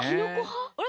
あれ？